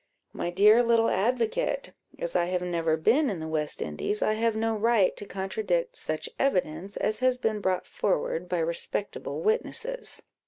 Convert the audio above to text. "My dear little advocate, as I have never been in the West Indies, I have no right to contradict such evidence as has been brought forward by respectable witnesses."